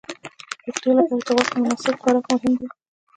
د روغتیا لپاره د غوښې مناسب خوراک مهم دی.